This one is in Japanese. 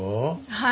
はい。